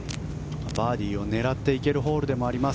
バーディーを狙っていけるホールでもあります。